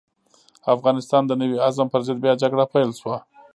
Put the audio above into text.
د افغانستان د نوي عزم پر ضد بيا جګړه پيل شوه.